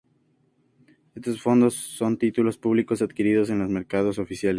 Estos fondos son títulos públicos adquiridos en los mercados oficiales.